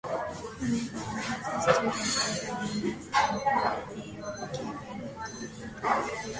However, the studies examine the quality of care in the domain of the specialists.